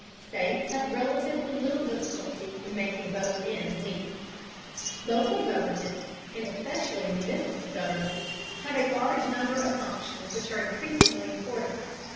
States have relatively little difficulty in making both ends meet. Local governments, and especially municipal governments, have a large number of functions which are increasingly important.